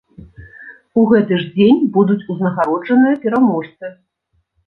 У гэты ж дзень будуць узнагароджаныя пераможцы.